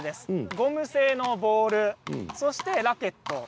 ゴム製のボール、そしてラケット。